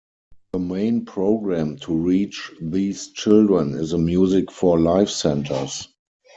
The main program to reach these children is the Music for Life Centers.